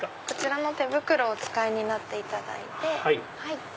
こちらの手袋をお使いになっていただいて。